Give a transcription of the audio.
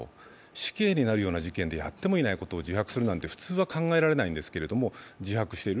死刑になるような事件でやってもいないようなことを自白するなんて普通は考えられないんですけど、自白している。